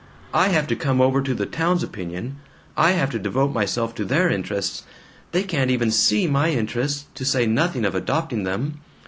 I have to come over to the town's opinion; I have to devote myself to their interests. They can't even SEE my interests, to say nothing of adopting them.